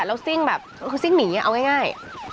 แล้วซิ่งแบบคือซิ่งหนีเอาง่าย